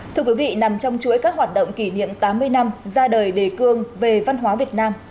thưa quý vị nằm trong chuỗi các hoạt động kỷ niệm tám mươi năm ra đời đề cương về văn hóa việt nam